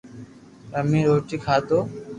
رمئين روٽي کاتو